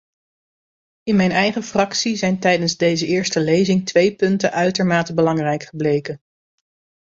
In mijn eigen fractie zijn tijdens deze eerste lezing twee punten uitermate belangrijk gebleken.